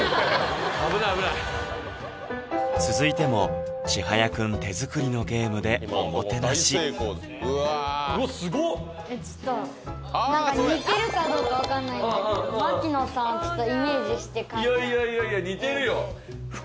危ない危ない続いてもちはやくん手作りのゲームでおもてなしちょっと何か似てるかどうか分かんないんだけど槙野さんをイメージして描いたいやいや似てるよ！